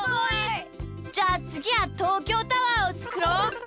じゃあつぎはとうきょうタワーをつくろう！